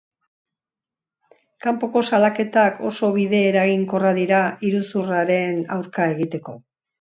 Kanpoko salaketak oso bide eraginkorra dira iruzurraren aurka egiteko.